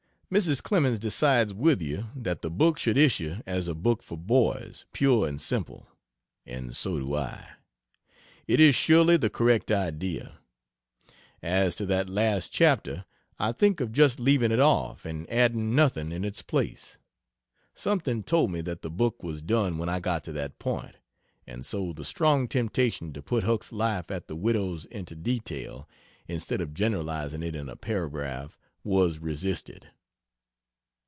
Mrs. Clemens decides with you that the book should issue as a book for boys, pure and simple and so do I. It is surely the correct idea. As to that last chapter, I think of just leaving it off and adding nothing in its place. Something told me that the book was done when I got to that point and so the strong temptation to put Huck's life at the Widow's into detail, instead of generalizing it in a paragraph was resisted.